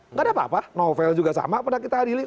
nggak ada apa apa novel juga sama pernah kita adili